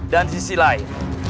dan sisi lain